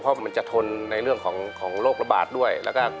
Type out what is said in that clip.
เพราะมันจะทนในเรื่องของโรคระบาดด้วยแล้วก็